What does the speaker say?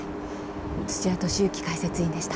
土屋敏之解説委員でした。